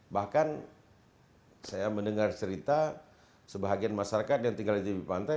bahkan saya mendengar cerita sebagian masyarakat yang tinggal di tepi pantai